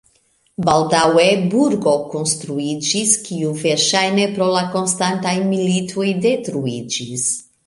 Baldaŭe burgo konstruiĝis, kiu verŝajne pro la konstantaj militoj detruiĝis.